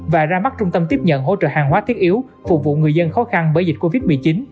và ra mắt trung tâm tiếp nhận hỗ trợ hàng hóa thiết yếu phục vụ người dân khó khăn bởi dịch covid một mươi chín